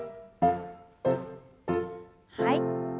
はい。